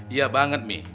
iya banget mi